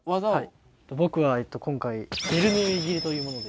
僕は今回ベルヌーイ切りというもので。